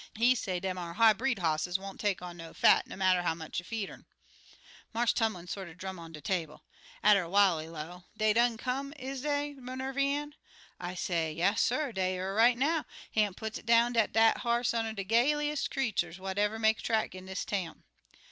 He say dem ar high bred hosses won't take on no fat, no matter how much you feed urn.' "Marse Tumlin sorter drum on de table. Atter while he low, 'Dey done come, is dey, Minervy Ann?' I say, 'Yasser, dey er here right now. Hamp puts it down dat dat ar hoss oneer de gayliest creatur's what ever make a track in dis town.'